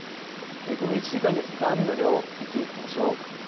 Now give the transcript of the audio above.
この１時間に降った雨の量見ていきましょう。